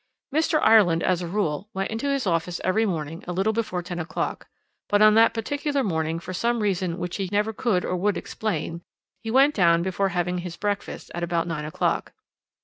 "Mr. Ireland as a rule went into his office every morning a little before ten o'clock, but on that particular morning, for some reason which he never could or would explain, he went down before having his breakfast at about nine o'clock.